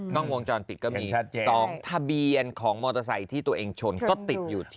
กล้องวงจรปิดก็มี๒ทะเบียนของมอเตอร์ไซค์ที่ตัวเองชนก็ติดอยู่ที่